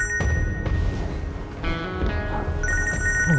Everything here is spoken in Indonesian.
gak ada apa apa sih ena